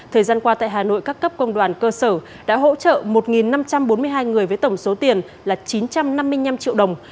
thời gian qua tại hà nội các cấp công đoàn cơ sở đã hỗ trợ một năm trăm bốn mươi hai người với tổng số tiền là chín trăm năm mươi năm triệu đồng